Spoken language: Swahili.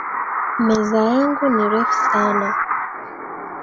Meza yangu ni refu sana